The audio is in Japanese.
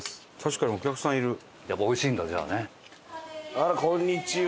あらこんにちは。